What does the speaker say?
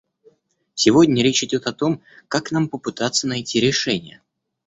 Сегодня речь идет о том, как нам попытаться найти решения.